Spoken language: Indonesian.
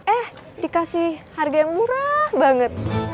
eh dikasih harga yang murah banget